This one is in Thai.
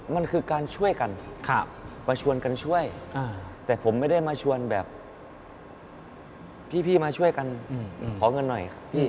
มันคือการช่วยกันมาชวนกันช่วยแต่ผมไม่ได้มาชวนแบบพี่มาช่วยกันขอเงินหน่อยพี่